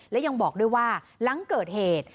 และยังบอกด้วยว่าหลังเกิดเหตุ